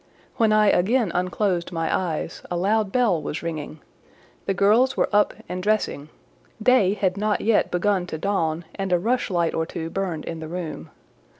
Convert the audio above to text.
When I again unclosed my eyes, a loud bell was ringing; the girls were up and dressing; day had not yet begun to dawn, and a rushlight or two burned in the room.